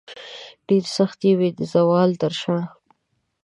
ډیرې سختې وې د زوال تر شاه